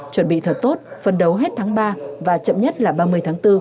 chuẩn bị thật tốt phân đấu hết tháng ba và chậm nhất là ba mươi tháng bốn